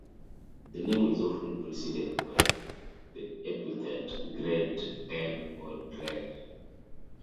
The name is often preceded by the epithet "Great", "Dead", or "Dread".